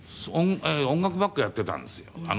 音楽ばっかやってたんですよ。